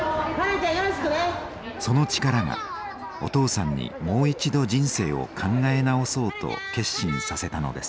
その力がお父さんにもう一度人生を考え直そうと決心させたのです。